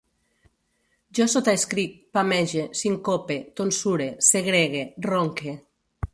Jo sotaescric, pamege, sincope, tonsure, segregue, ronque